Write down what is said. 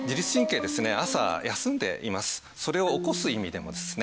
それを起こす意味でもですね